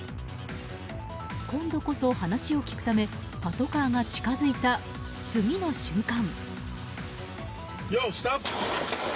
今度こそ話を聞くためパトカーが近づいた次の瞬間。